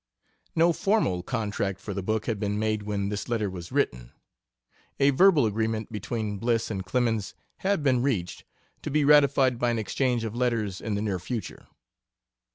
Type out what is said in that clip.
No formal contract for the book had been made when this letter was written. A verbal agreement between Bliss and Clemens had been reached, to be ratified by an exchange of letters in the near future.